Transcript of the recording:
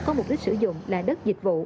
có mục đích sử dụng là đất dịch vụ